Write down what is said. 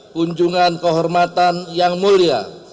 kunjungan kehormatan yang mulia